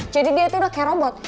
jadi dia itu udah kayak robot